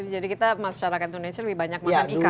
jadi kita masyarakat indonesia lebih banyak makan ikan